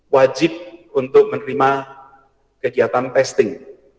wajib untuk menerima kegiatan testing